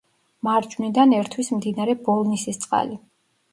მარჯვნიდან ერთვის მდინარე ბოლნისისწყალი.